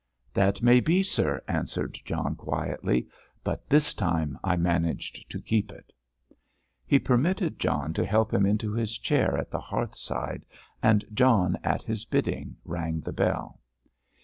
"That may be, sir," answered John quietly, "but this time I managed to keep it." He permitted John to help him into his chair at the hearthside, and John, at his bidding, rang the bell.